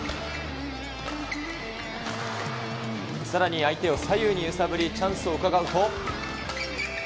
さらに相手を左右に揺さぶりチャンスをうかがうと。